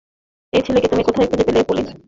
এই ছেলেকে তুমি কোথায় খুঁজে পেলে, পলি?